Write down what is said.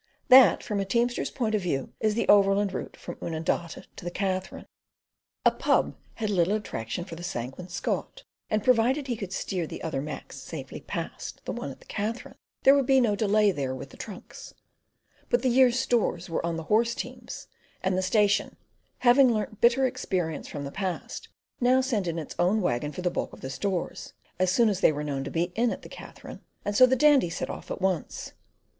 That, from a teamster's point of view, is the Overland Route from Oodnadatta to the Katherine. A pub had little attraction for the Sanguine Scot, and provided he could steer the other Macs safely past the one at the Katherine, there would be no delay there with the trunks; but the year's stores were on the horse teams and the station, having learnt bitter experience from the past, now sent in its own waggon for the bulk of the stores, as soon as they were known to be at the Katherine; and so the Dandy set off at once.